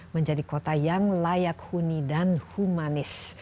menjadi kota yang layak huni dan humanis